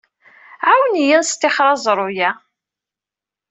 Ɛawen-iyi ad nestixer aẓru-a.